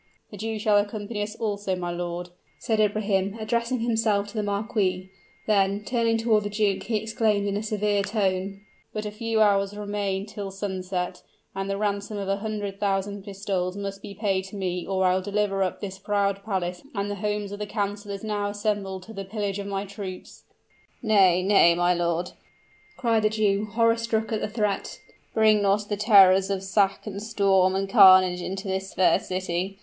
"The Jew shall accompany us, my lord," said Ibrahim, addressing himself to the marquis; then, turning toward the duke, he exclaimed in a severe tone, "But a few hours remain till sunset, and the ransom of a hundred thousand pistoles must be paid to me; or I will deliver up this proud palace and the homes of the councilors now assembled to the pillage of my troops." "Nay nay, my lord!" cried the Jew, horror struck at the threat; "bring not the terrors of sack, and storm, and carnage into this fair city!